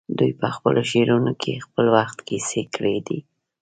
دوی په خپلو شعرونو کې د خپل وخت کیسې کړي دي